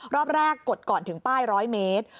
รอบแรกกดก่อนถึงป้าย๑๐๐เมตร